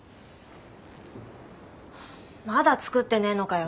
まだ作ってねえのかよ